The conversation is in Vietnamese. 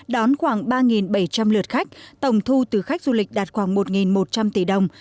đón khoảng ba bảy trăm linh lượt khách tổng thu từ khách du lịch đạt khoảng một một trăm linh tỷ đồng